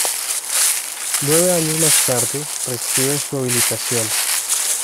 Nueve años más tarde, recibe su habilitación.